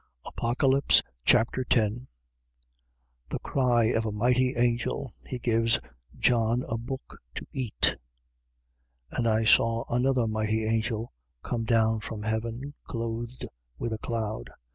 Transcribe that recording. Apocalypse Chapter 10 The cry of a mighty angel. He gives John a book to eat. 10:1. And I saw another mighty angel come down from heaven, clothed with a cloud.